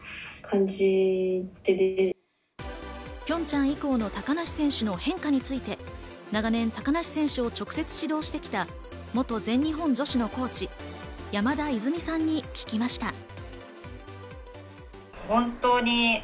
ピョンチャン以降の高梨選手の変化について長年、高梨選手を直接指導してきた、元全日本女子のコーチ・山田いずみさんに聞きました。